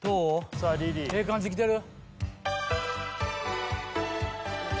さあリリーええ感じきてる？